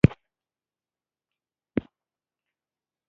موږ باید د دې نظریې له مثبتو اړخونو ګټه واخلو